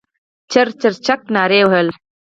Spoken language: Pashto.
چرچرک نارې وهلې.